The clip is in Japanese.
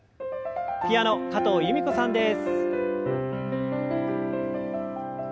ピアノ加藤由美子さんです。